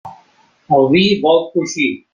El vi vol coixí.